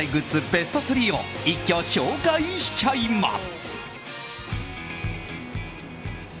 ベスト３を一挙紹介しちゃいます。